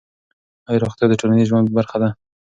آیا روغتیا د ټولنیز ژوند برخه ده؟